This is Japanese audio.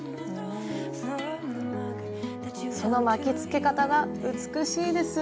その巻きつけ方が美しいです。